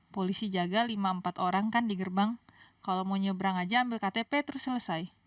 polisi jaga lima empat orang kan di gerbang kalau mau nyebrang aja ambil ktp terus selesai